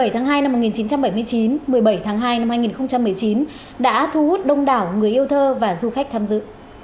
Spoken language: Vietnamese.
một mươi tháng hai năm một nghìn chín trăm bảy mươi chín một mươi bảy tháng hai năm hai nghìn một mươi chín đã thu hút đông đảo người yêu thơ và du khách tham dự